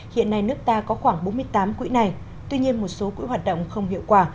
hiện nay nước ta có khoảng bốn mươi tám quỹ này tuy nhiên một số quỹ hoạt động không hiệu quả